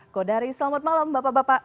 kodari selamat malam bapak bapak